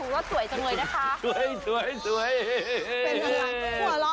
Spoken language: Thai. ว้าวสวยจนเลยนะคะ